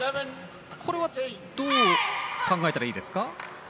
これはどう考えたらいいですか？